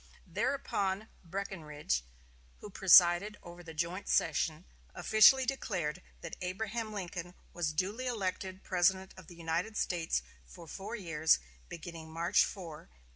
Thereupon Breckinridge, who presided over the joint session, officially declared that Abraham Lincoln was duly elected President of the United States for four years, beginning March 4, 1861.